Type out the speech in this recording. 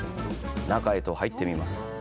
中へと入ってみます。